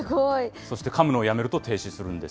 そしてかむのをやめると停止するんです。